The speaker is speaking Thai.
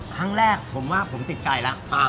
ครั้งแรกผมว่าผมติดใจแล้ว